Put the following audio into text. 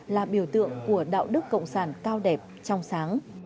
là biểu tượng của đạo đức cộng sản cao đẹp trong sáng